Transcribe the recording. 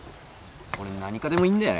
俺何科でもいいんだよね。